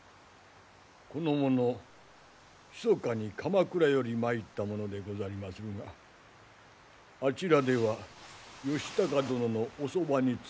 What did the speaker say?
この者ひそかに鎌倉より参った者でござりまするがあちらでは義高殿のおそばに仕えていたと申しておりまする。